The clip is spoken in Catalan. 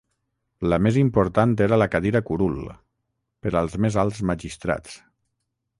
La més important era la cadira curul, per als més alts magistrats.